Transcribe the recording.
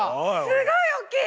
すごい大きい！